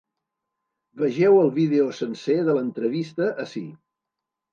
Vegeu el vídeo sencer de l’entrevista ací.